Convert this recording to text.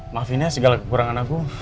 maafin ya segala kekurangan aku